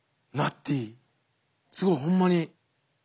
すごいホンマに。